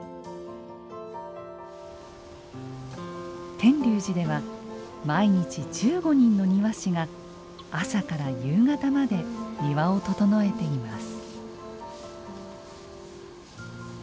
天龍寺では毎日１５人の庭師が朝から夕方まで庭を整えています。